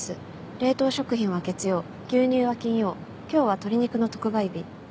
冷凍食品は月曜牛乳は金曜今日は鶏肉の特売日。